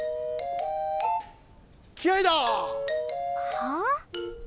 はあ？